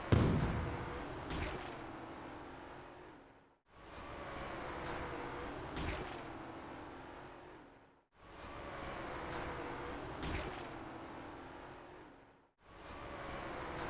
عالمی بینک نے جنوبی ایشیا میں کورونا وائرس کے نقصانات پر رپورٹ جاری کر دیا